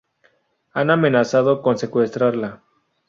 Han amenazado con secuestrarla.